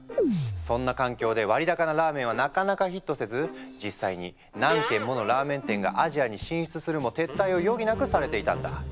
そんな環境で割高なラーメンはなかなかヒットせず実際に何軒ものラーメン店がアジアに進出するも撤退を余儀なくされていたんだ。